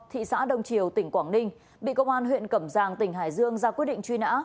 thị xã đông triều tỉnh quảng ninh bị công an huyện cẩm giang tỉnh hải dương ra quyết định truy nã